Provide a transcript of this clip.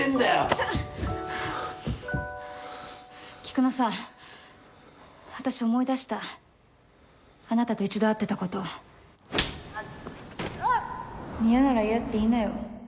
ちょっ菊乃さん私思い出したあなたと一度会ってたこと嫌なら嫌って言いなよ